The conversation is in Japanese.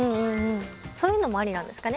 そういうのもありなんですかね。